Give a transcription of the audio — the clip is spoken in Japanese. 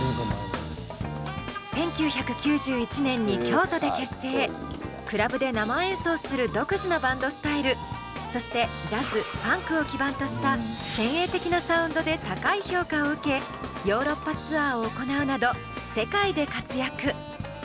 今改めて脚光を浴びるクラブで生演奏する独自のバンドスタイルそしてジャズファンクを基盤とした先鋭的なサウンドで高い評価を受けヨーロッパツアーを行うなど世界で活躍。